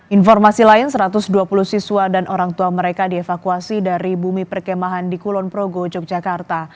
informasi lain satu ratus dua puluh siswa dan orang tua mereka dievakuasi dari bumi perkemahan di kulon progo yogyakarta